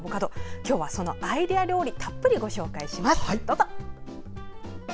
今日はアイデア料理をたっぷりご紹介します。